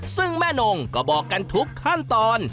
ซึ่งแม่นงก็บอกกันทุกขั้นตอน